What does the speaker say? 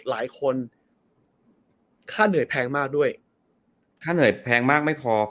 หลายคนค่าเหนื่อยแพงมากด้วยค่าเหนื่อยแพงมากไม่พอ